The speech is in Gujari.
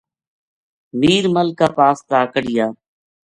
میر ملک کا پا س تا کڈھیا